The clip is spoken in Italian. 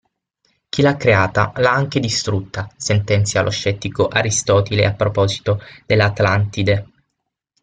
Chi l'ha creata, l'ha anche distrutta sentenzia lo scettico Aristotile a proposito dell'Atlantide.